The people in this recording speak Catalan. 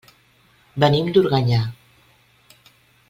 Venim d'Organyà.